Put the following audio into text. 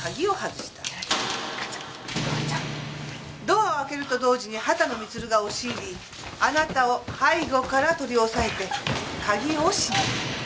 ドアを開けると同時に秦野満が押し入りあなたを背後から取り押さえて鍵を閉めた。